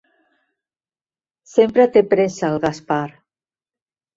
Sempre té pressa, el Gaspar.